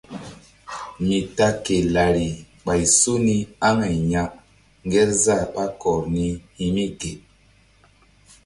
Mi ta ke lari ɓay so ni aŋay ya ngerzah ɓá kɔr ni hi̧ mi ge.